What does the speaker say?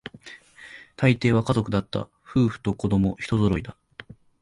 大抵は家族だった、夫婦と子供、一揃いだ